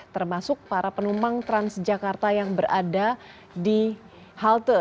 termasuk para penumpang transjakarta yang berada di halte